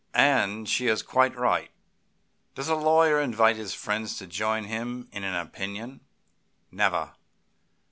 And she is quite right. Does a lawyer invite his friends to join him in an opinion? Never.